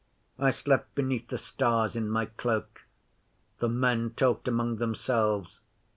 I slept beneath the stars in my cloak. The men talked among themselves.